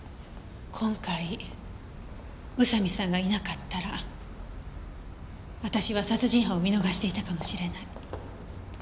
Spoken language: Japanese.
今回宇佐見さんがいなかったら私は殺人犯を見逃していたかもしれない。